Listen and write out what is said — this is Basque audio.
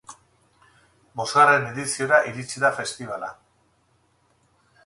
Bosgarren ediziora iritsi da festibala.